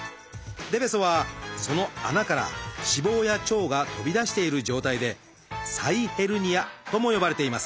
でべそはその穴から脂肪や腸が飛び出している状態で「臍ヘルニア」とも呼ばれています。